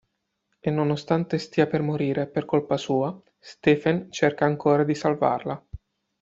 E nonostante stia per morire per colpa sua Stephen cerca ancora di salvarla.